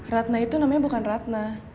ratna itu namanya bukan ratna